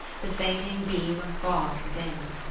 The fainting beam of God within.